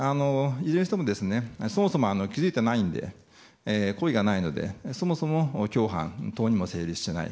いずれにしてもそもそも気づいてないので故意がないのでそもそも共犯等も成立しない。